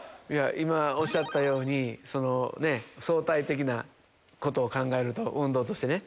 今おっしゃったようにそのねっ相対的なことを考えると運動としてね。